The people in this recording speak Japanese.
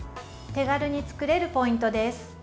手軽に作れるポイントです。